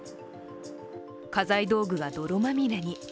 家財道具が泥まみれに。